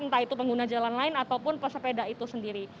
entah itu pengguna jalan lain ataupun pesepeda itu sendiri